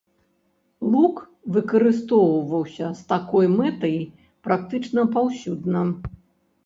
Лук выкарыстоўваўся з такой мэтай практычна паўсюдна.